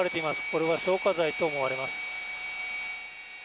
これは消火剤と思われます。